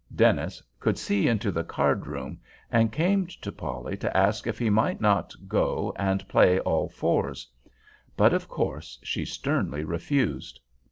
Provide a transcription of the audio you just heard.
Dennis could see into the card room, and came to Polly to ask if he might not go and play all fours. But, of course, she sternly refused.